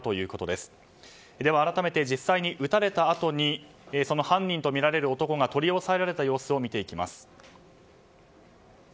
では改めて実際に撃たれたあとにその犯人とみられる男が取り押さえられた様子を見ていきます。